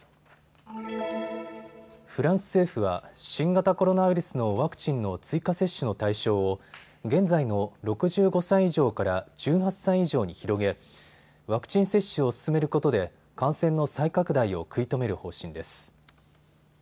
フランス政府は新型コロナウイルスのワクチンの追加接種の対象を現在の６５歳以上から１８歳以上に広げワクチン接種を進めることで感染の再拡大を食い止める方針です。